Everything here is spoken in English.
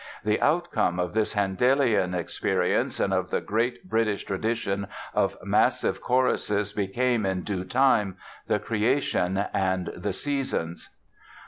The outcome of this Handelian experience and of the great British tradition of massive choruses became, in due time, "The Creation" and "The Seasons."